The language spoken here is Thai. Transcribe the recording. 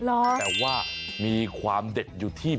แต่ว่ามีความเด็ดอยู่ที่